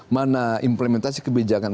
mana implementasi kebijakan